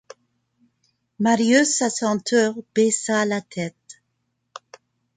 Marius à son tour baissa la tête.